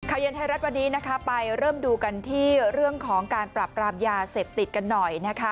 เย็นไทยรัฐวันนี้นะคะไปเริ่มดูกันที่เรื่องของการปรับปรามยาเสพติดกันหน่อยนะคะ